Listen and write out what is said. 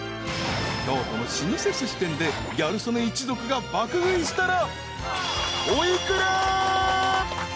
［京都の老舗すし店でギャル曽根一族が爆食いしたら］